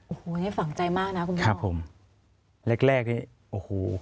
โอ้โหนี่ฝังใจมากนะคุณครับผมแรกแรกนี่โอ้โห